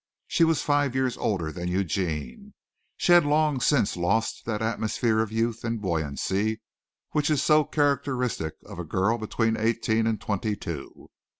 She was five years older than Eugene. She had long since lost that atmosphere of youth and buoyancy which is so characteristic of a girl between eighteen and twenty two.